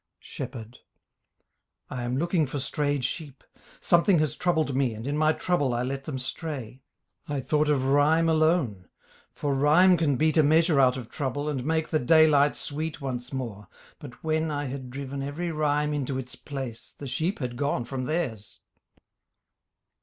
SHEPHERD I am looking for strayed sheep; Something has troubled me and in my trouble I let them stray. I thought of rhyme alone, For rhyme can beat a measure out of trouble And make the daylight sweet once more; but when I had driven every rhyme into its place The sheep had gone from theirs.